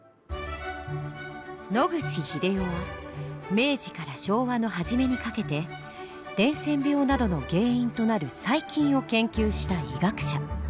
野口英世は明治から昭和の初めにかけて伝染病などの原因となる細菌を研究した医学者。